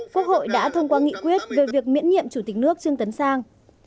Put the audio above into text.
quốc hội đã thông qua nghị quyết về việc miễn nhiệm chủ tịch nước trương tấn sang